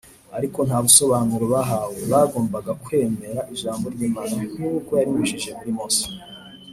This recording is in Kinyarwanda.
. Ariko nta busobanuro bahawe. Bagombaga kwemera ijambo ry’Imana nkuko yarinyujije muri Mose